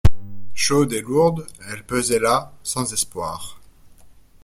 Chaude et lourde, elle pesait là, sans espoir.